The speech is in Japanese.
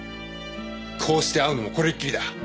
こうして会うのもこれっきりだ。